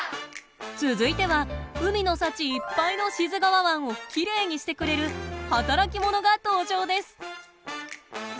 続いては海の幸いっぱいの志津川湾をきれいにしてくれる働き者が登場です。